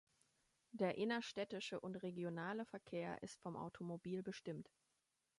Der innerstädtische und regionale Verkehr ist vom Automobil bestimmt.